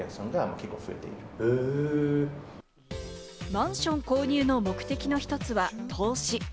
マンション購入の目的の１つは投資。